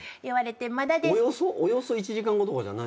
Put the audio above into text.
およそ１時間後とかじゃないの？